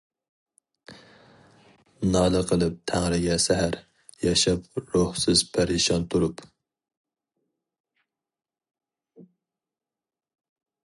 نالە قىلىپ تەڭرىگە سەھەر، ياشاپ روھسىز پەرىشان تۇرۇپ.